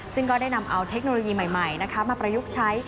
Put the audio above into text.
ซึ่งก็ได้นำเอาเทคโนโลยีใหม่มาประยุกต์ใช้